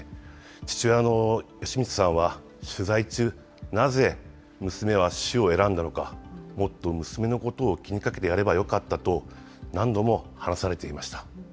父親の慶光さんは取材中、なぜ娘は死を選んだのか、もっと娘のことを気にかけてやればよかったと何度も話されていました。